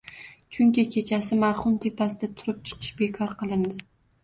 Chunki kechasi marhum tepasida turib chiqish bekor kilindi